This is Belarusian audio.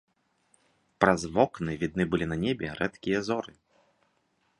Праз вокны відны былі на небе рэдкія зоры.